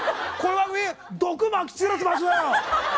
毒まき散らす場所だよ！